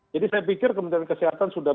jadi saya pikir kementerian kesehatan sudah